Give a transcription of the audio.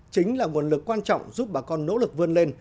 chính là nguồn lực quan trọng giúp bà con nỗ lực vươn lên